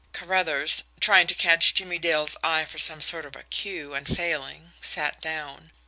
Carruthers, trying to catch Jimmie Dale's eye for some sort of a cue, and, failing, sat down.